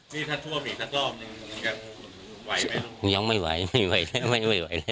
นี่ท่านทั่วมีสักรอบนึงยังไหวไหมลูกยังไม่ไหวไม่ไหวแล้วไม่ไหวไหวแล้ว